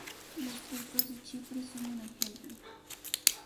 Los turcos de Chipre son un ejemplo.